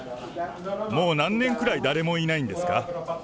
もう何年くらい誰もいないんですか？